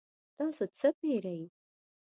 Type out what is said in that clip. تاسو څه پیرئ؟